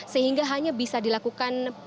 sehingga hanya bisa dilakukan